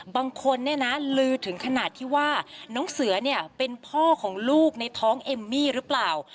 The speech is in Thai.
ทุกคนลื้อถึงขนาดที่ว่าน้องเสือเป็นพ่อของลูกในท้องเอมมี่หรือเปล่า